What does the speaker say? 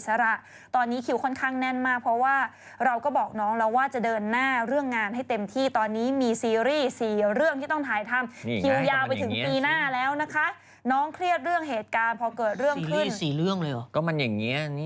แต่ที่แน่นักเล่าของทุกต่างดาวนั้นตื่นเต้นมาก